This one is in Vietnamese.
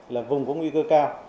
là vùng có nguy cơ cao